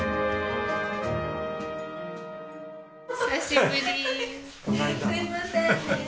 すいませんね。